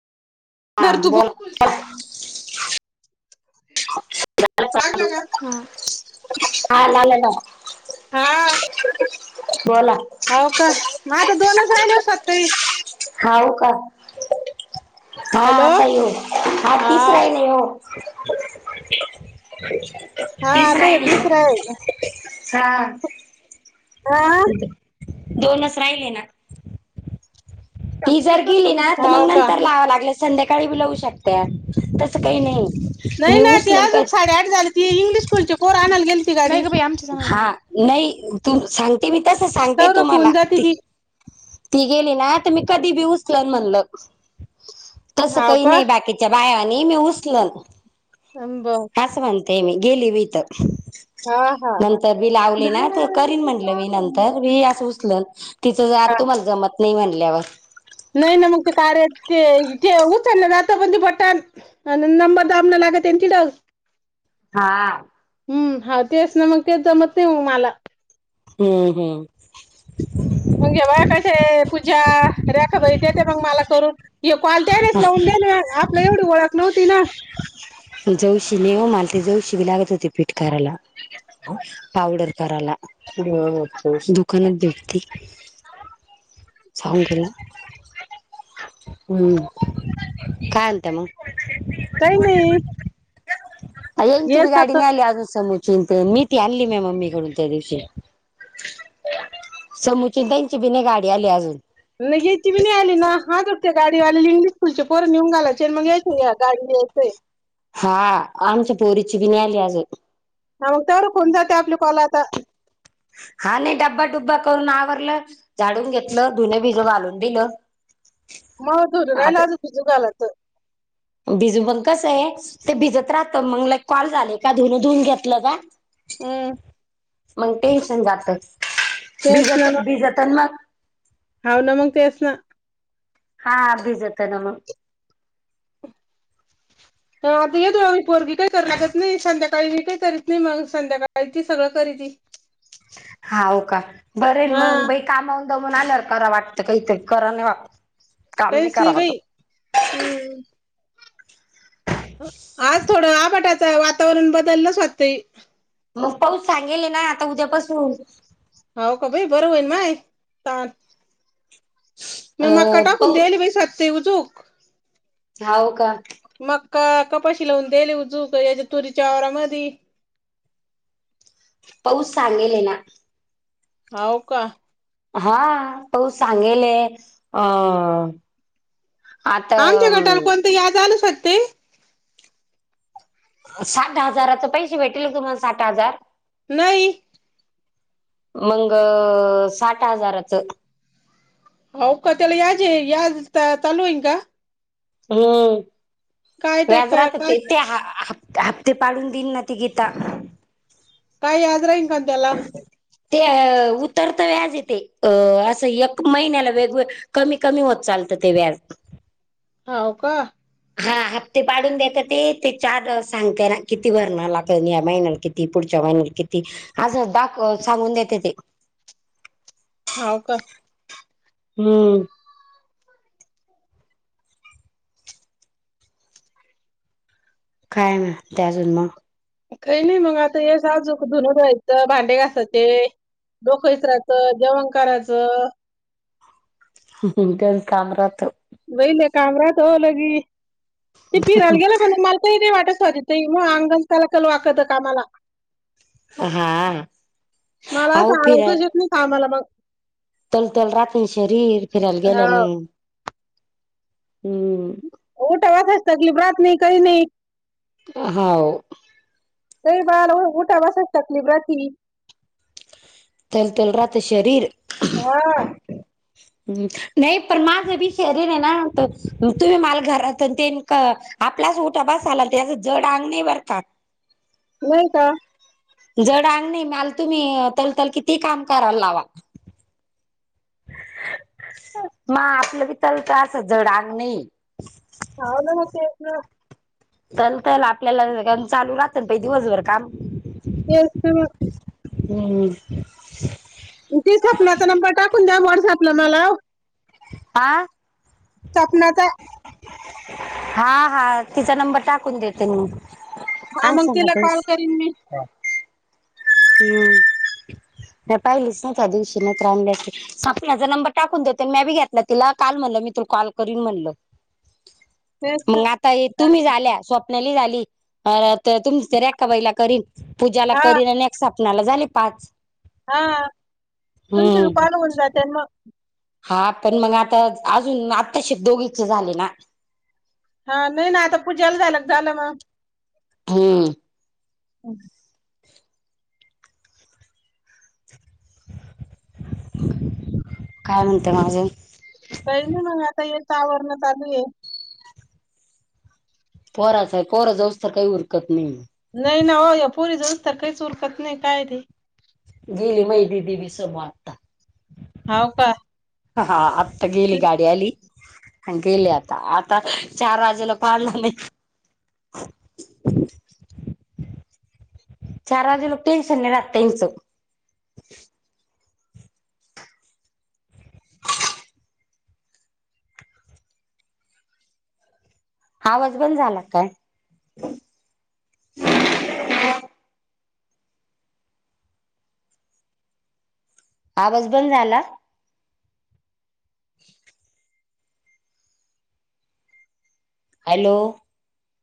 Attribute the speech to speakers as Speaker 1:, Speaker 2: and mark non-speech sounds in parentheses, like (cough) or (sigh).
Speaker 1: हां
Speaker 2: धर तू
Speaker 1: बोला (unintelligible)
Speaker 2: बोल लाग ला ना हा
Speaker 1: हा आला आला
Speaker 2: हा
Speaker 1: बोला
Speaker 2: हाव का नाय आता दोनच रावल्यात (unintelligible)
Speaker 1: हाऊ का हा
Speaker 2: हॅलो
Speaker 1: आता ये हा तिस राहिले ओ
Speaker 2: हा
Speaker 1: तीस
Speaker 2: आता
Speaker 1: राहिले
Speaker 2: तिसरा
Speaker 1: ओ. (unintelligible)
Speaker 2: आहे
Speaker 1: हा.
Speaker 2: आ
Speaker 1: दोनच राहिले ना ती जर गेली ना तर
Speaker 2: हो
Speaker 1: मग
Speaker 2: का
Speaker 1: नंतर लावाव लागेलं संध्याकाळी बी लावू शकते, तसं काही नाही
Speaker 2: नाही
Speaker 1: मी
Speaker 2: ना ती
Speaker 1: उचलन काय
Speaker 2: साडे आठ झाली ती इंग्लिश स्कूलची पोरं आणायला गेलती गाडी
Speaker 1: हा नाही तु सांगते मी तस सांगते
Speaker 2: तर
Speaker 1: तुम्हाला
Speaker 2: होऊन जाते
Speaker 1: ते-
Speaker 2: ती
Speaker 1: ती गेली ना आता मी कधी बी उचल म्हणल तस
Speaker 2: हाव
Speaker 1: काही
Speaker 2: का
Speaker 1: नाही बाकी त्याच्या बायानी मी उसल
Speaker 2: हब
Speaker 1: हसवते मी गेली वत
Speaker 2: हा हा
Speaker 1: नंतर मी लावले ना करीन म्हंलं मी नंतर मी असं उचल तिचं जर आ
Speaker 2: हा.
Speaker 1: तुम्हाला जमत नाही म्हणल्यावर
Speaker 2: नाही ना मग ते कार ते इथे उचल जात पण ते बटण आन नंबर दाबणं लागते त्यांची डग
Speaker 1: हा
Speaker 2: हम्म हा तेच ना मग ते जमत नाही मग मला.
Speaker 1: हम्म हम्म
Speaker 2: मग घे बायकाचे पूजा रेखा बाई देत मग मला करून हे कॉल त्यावेळीस लावून देणा आपल्याला एवढी ओळख नव्हती ना.
Speaker 1: जवशी नेव ओ मला ते जवशी बी लागत होते पिठ करायला. पावडर कराला दुकानात भेटती साहून (unintelligible) हम्म काय आणते मग
Speaker 2: काही नाही
Speaker 1: येची
Speaker 2: ये
Speaker 1: बी गाडी
Speaker 2: सात
Speaker 1: नाही आली अजून समोर चिंत मी ती आणली माया ममी कडून त्यादिवशी समुचि त्यांची भि नाही गाडी आली अजून
Speaker 2: नाही यायची बी नाही आली ना हा करते गाडीवाल्या इंग्लिश स्कूलचे पोर नेऊन घालायचे आणि मग यायच या गाडी्यायचय
Speaker 1: हा आमच्या पोरीची बी नाही आली आजून
Speaker 2: हा मग तेवढं होऊन जाते आपले कॉल आता
Speaker 1: हा नाही डब्बाडुब्बा करून आवरलं झाडून घेतलं धुने भिजू घालून दिलं.
Speaker 2: मग
Speaker 1: आता
Speaker 2: (unintelligible) भिजू घालायचं
Speaker 1: भिजू मग कसं आहे ते भिजत राहत मग कॉल झाले का धुन धुून घेतलं का
Speaker 2: हम
Speaker 1: मग टेन्शन जात.
Speaker 2: तेच
Speaker 1: भिजत
Speaker 2: ना,
Speaker 1: भिजत मग
Speaker 2: हाव ना मग तेच ना
Speaker 1: हा भिजत ना मग
Speaker 2: आता येती पोरगी काही करू लागत नाही संध्याकाळी मी काही करीत नाही मग संध्याकाळी ती सगळं करीती.
Speaker 1: हाव का बरे
Speaker 2: हा
Speaker 1: मग बाई कामाहून दमून आल्यावर करा वाटतं काहीतरी करा नाही वाटत काम
Speaker 2: काहीच
Speaker 1: करा
Speaker 2: नाही बाई, हम्म आज थोडं आबाटाचं वातावरण बदललंच होती.
Speaker 1: मग पाऊस सांगेले ना आता उद्यापासून.
Speaker 2: हो का बाई बरं होईन माय तान मग
Speaker 1: अ
Speaker 2: माका टाकून
Speaker 1: पाऊ
Speaker 2: द्यायले बाई सते उजूक
Speaker 1: हाव का
Speaker 2: मक्का कपाशी लावून दिले उजुक कयाच्या तुरीच्या आवरामधी
Speaker 1: पाऊस सांगेले ना.
Speaker 2: हाव का.
Speaker 1: हा त सांगेले अ आता
Speaker 2: आमच्या गटाला
Speaker 1: अं
Speaker 2: कोणतं याद आलं सत ते
Speaker 1: साठ हजाराचे पैसे भेटेल तुम्हाला साठ हजार
Speaker 2: नाही.
Speaker 1: मग साठ हजाराचं.
Speaker 2: हो का त्याला याज या तलवईन का.
Speaker 1: हम्म
Speaker 2: काय टाक
Speaker 1: व्याजराात
Speaker 2: काय
Speaker 1: ते ते ह. हप्ते पाळून देईन ना त घेता.
Speaker 2: काय याद रानकतेला (unintelligible)
Speaker 1: ते उतरत व्याज येते अ असं एक महिन्याला वेगवेगळ. कमी कमी होत चालतं ते व्याज.
Speaker 2: हाव का.
Speaker 1: हा हप्ते पाडून देत्याते ते ते चार सांगतेय ना किती भरणार ला महिन्याला किती. पुढच्या महिनत किती आज दा सांगून देते ते.
Speaker 2: हाव का.
Speaker 1: हम्म. कााय मंता अजून मग.
Speaker 2: काही नाही मग आता हेस आजूक धुन जायचं भांडे घासाचे. डोकैचरायचं जेवण करायचं.
Speaker 1: हम्म हा त्या काम राात.
Speaker 2: वहिले काम राात होलंगी ते फिरायला गेला म्हण माल. नाही वाटतवाजित मग अंगणथला कलू आकत आम्हाला.
Speaker 1: हा आ फिरा.
Speaker 2: म कामला मग.
Speaker 1: तलतल राहात शेरी फिरायला
Speaker 2: हा
Speaker 1: गेल्या न हम्.
Speaker 2: मोठा वाातच लागली भ्रात नाही कधी नाही.
Speaker 1: हाव.
Speaker 2: ते बाल उठा बसाच तकलीफ रा.
Speaker 1: तल तल राता शरीर.
Speaker 2: हा.
Speaker 1: नाही पण माझ बी शरीण आहे नात तुम्ही मला घरात ते. आपलाच उटाभास झाला त्या जड अंगणी भरतात.
Speaker 2: होय का.
Speaker 1: जड अंग नाही मल तुम्ही तलतल किती काम करायला लावा. मग आपलं कितल त अस झडांग नाही.
Speaker 2: (unintelligible)
Speaker 1: चल च आपल्याला चालू राहत दिवसभर काम.
Speaker 2: तेत.
Speaker 1: हम्.
Speaker 2: तेचपलाचा नंबर टाकून द्या वॉड झापला मला.
Speaker 1: आ.
Speaker 2: स्वपणाचा.
Speaker 1: हा हा तिचा नंबर टाकून देते मी.
Speaker 2: हा
Speaker 1: सांग
Speaker 2: मग तिला
Speaker 1: सांगा
Speaker 2: कॉल करीन मी.
Speaker 1: हम्म नाही पाहिलीच ना त्या दिवशी न त्रांल्याची. आप माझा नंबर टाकून देते मी बी घेतला तिला काल म्हणलं मी तू कॉल करून म्हणलं.
Speaker 2: (inaudible)
Speaker 1: मग आता तुम्ही झाल्या स्वप्नाली झाली तुम् तरी एक्का बाईला करीन. पूजाला
Speaker 2: हा
Speaker 1: करी आणि नक्ट स्पनाला झाली पाच.
Speaker 2: हा तुमचे भि
Speaker 1: हम्म
Speaker 2: पाच होऊन जाते मग.
Speaker 1: हा पण मग आता अजून आत्ताश दोघीचे झाले ना.
Speaker 2: हा नाही नाही आता पूजाला झाला झालं मग
Speaker 1: हम्म.
Speaker 2: ह
Speaker 1: काय म्हणते माझे?
Speaker 2: काही नाही मग आता ये आवरण चालू आहे.
Speaker 1: पोहराच आहे पोहरा जाऊस तर काही उरकत नाही.
Speaker 2: नाही ना हो पोरी जास् तर काहीच उलकत नाही काय ते.
Speaker 1: गेली महि दीदी विी सं वाटता
Speaker 2: होा का
Speaker 1: हा आत्ता गेली गाडी आली गेले आता आता चार वाजेला पाडलं नाही (unintelligible) चार वाज लक् टेनस ने त इनस. हावाज बण झाला काय? आवाज बंद झाला. (unintelligible) हॅलो!